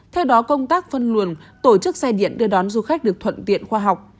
theo đó công tác phân luồng tổ chức xe điện đưa đón du khách được thuận tiện khoa học